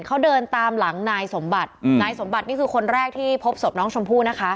เขาเดินตามหลังนายสมบัตินายสมบัตินี่คือคนแรกที่พบศพน้องชมพู่นะคะ